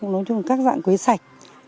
nói chung là các dạng quế sạch